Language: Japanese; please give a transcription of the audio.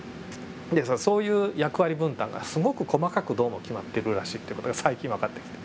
でそういう役割分担がすごく細かくどうも決まってるらしいっていう事が最近分かってきて。